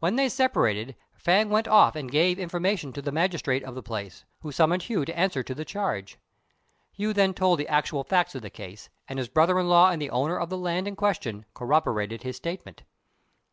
When they separated, Fêng went off and gave information to the magistrate of the place, who summoned Hu to answer to the charge. Hu then told the actual facts of the case, and his brother in law and the owner of the land in question corroborated his statement.